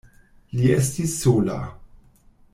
Li estis sola.